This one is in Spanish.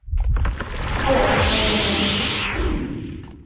Hello I Am...